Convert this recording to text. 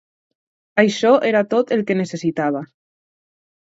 Això era tot el que necessitava.